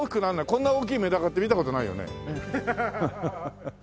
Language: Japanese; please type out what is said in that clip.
こんな大きいメダカって見た事ないよね？